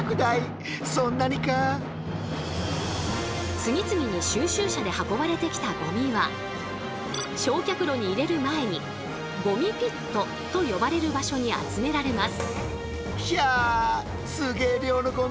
次々に収集車で運ばれてきたゴミは焼却炉に入れる前にゴミピットと呼ばれる場所に集められます。